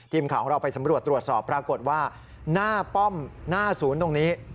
ทีมข่าวของเราไปสำรวจตรวจสอบปรากฏว่าหน้าป้อมหน้าศูนย์ตรงนี้